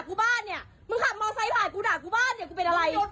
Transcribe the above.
กลับมาสำหรับพวกของมีตัวสวัสดิ์วันนี้คุณคุณจะอยู่กับคุณแบบนั้นไหม